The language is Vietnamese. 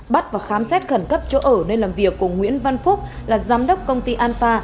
bắt và khám xét khẩn cấp chỗ ở nơi làm việc của nguyễn văn phúc là giám đốc công ty an pha